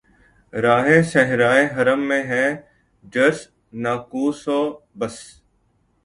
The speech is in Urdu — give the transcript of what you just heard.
راہِ صحرائے حرم میں ہے جرس‘ ناقوس و بس